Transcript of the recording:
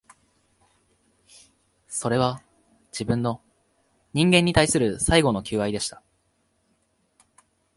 それは、自分の、人間に対する最後の求愛でした